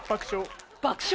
爆笑？